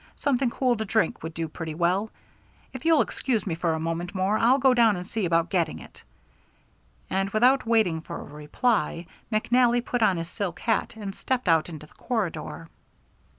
"Something cool to drink would go pretty well. If you'll excuse me for a moment more I'll go down and see about getting it," and without waiting for a reply, McNally put on his silk hat and stepped out into the corridor.